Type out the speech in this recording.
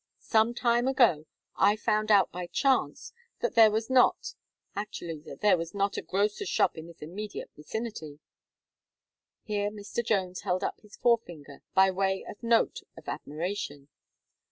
Some time ago, I found out, by chance, that there was not actually, that there was not a grocer's shop in this immediate vicinity!" Here Mr. Jones held up his forefinger by way of note of admiration.